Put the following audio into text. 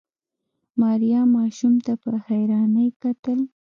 ماريا ماشوم ته په حيرانۍ کتل.